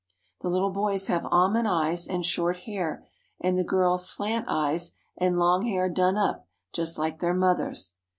The little boys have almond eyes and short hair and the girls slant eyes and long hair done up just like their mothers.